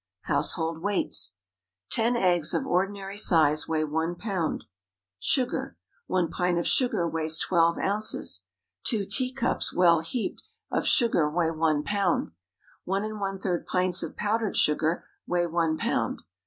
=Household Weights.= Ten eggs of ordinary size weigh one pound. Sugar One pint of sugar weighs twelve ounces. Two teacups (well heaped) of sugar weigh one pound. One and one third pints of powdered sugar weigh one pound.